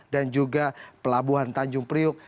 dan juga pelabuhan tanjung priuk